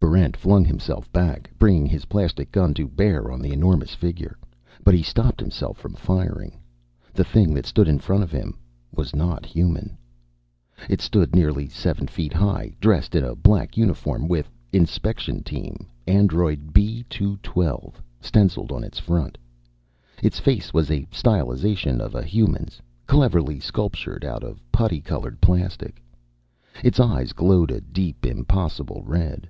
Barrent flung himself back, bringing his plastic gun to bear on the enormous figure. But he stopped himself from firing. The thing that stood in front of him was not human. It stood nearly seven feet high, dressed in a black uniform with INSPECTION TEAM ANDROID B212 stenciled on its front. Its face was a stylization of a human's, cleverly sculptured out of putty colored plastic. Its eyes glowed a deep, impossible red.